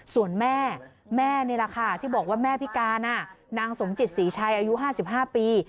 ส่วนแม่แม่นี่แหละค่ะที่บอกว่าแม่พิการนางสมจิตศรีชัยอายุ๕๕ปี